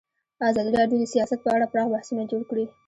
ازادي راډیو د سیاست په اړه پراخ بحثونه جوړ کړي.